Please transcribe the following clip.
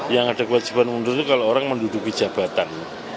yang ada kewajiban mundur itu kalau orang menduduki jabatan